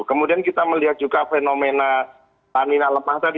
kemudian kita melihat juga fenomena lanina lemah tadi